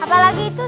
apa lagi itu tuh